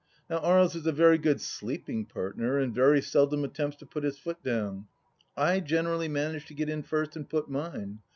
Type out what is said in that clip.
Now Aries is a very good sleeping partner and very seldom attempts to put his foot down. I generally manage to get in first and put mine.